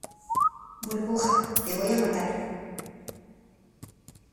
burbuja, te voy a matar.